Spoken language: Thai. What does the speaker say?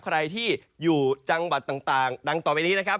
ใครที่อยู่จังหวัดต่างดังต่อไปนี้นะครับ